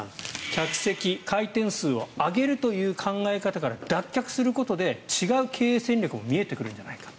客席回転数を上げるという考え方から脱却することで違う経営戦略も見えてくるんじゃないか。